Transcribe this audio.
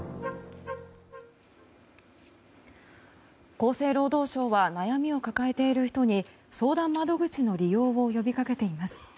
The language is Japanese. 厚生労働省は悩みを抱えている人に相談窓口の利用を呼びかけています。